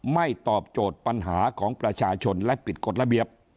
ตอบโจทย์ปัญหาของประชาชนและผิดกฎระเบียบ